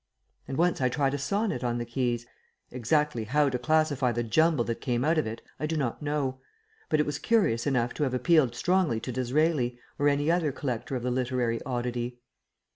And once I tried a sonnet on the keys. Exactly how to classify the jumble that came out of it I do not know, but it was curious enough to have appealed strongly to D'Israeli or any other collector of the literary oddity.